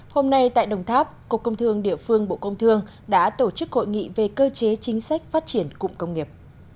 hôm nay tại đồng tháp cục công thương địa phương bộ công thương đã tổ chức hội nghị về cơ chế chính sách phát triển cụm công nghiệp